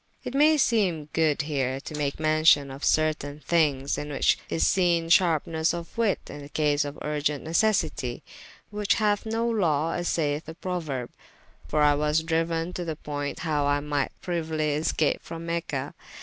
It may seeme good here to make mention of certayne thynges, in the which is seene sharpenesse of witte in case of vrgent necessitie, which hath no lawe as sayeth the prouerbe, for I was dryuen to the point howe I myght prieuly escape from Mecha.